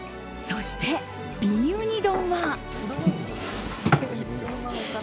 そして、瓶ウニ丼は。